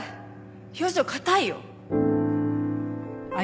表情硬いよ。